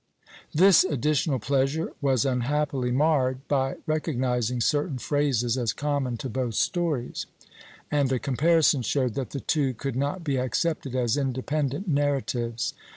This additional pleasure was unhappily marred by recognizing certain phrases as common to both stories; and a comparison showed that the two could not be accepted as independent narratives.